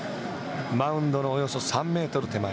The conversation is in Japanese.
マウンドのおよそ３メートル手前